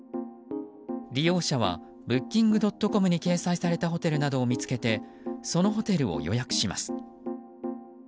利用者はＢｏｏｋｉｎｇ．ｃｏｍに掲載されたホテルなどを見つけてそのホテルを予約します。